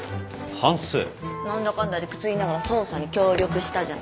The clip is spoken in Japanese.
何だかんだ理屈言いながら捜査に協力したじゃない。